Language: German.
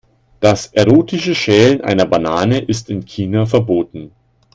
Das erotische Schälen einer Banane ist in China verboten.